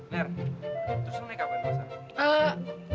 nir terus lo naik apaan